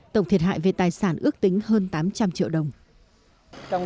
tổng thiệt hại về tài sản ước tính hơn tám trăm linh triệu đồng